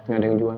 gak ada yang jual